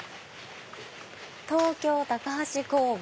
「東京高橋工房。